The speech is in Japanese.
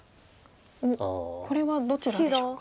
これはどちらでしょうか。